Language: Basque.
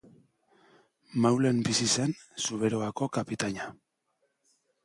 Maulen bizi zen Zuberoako kapitaina.